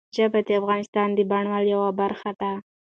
ژبې د افغانستان د بڼوالۍ یوه برخه ده.